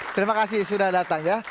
terima kasih sudah datang ya